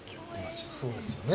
そうですよね。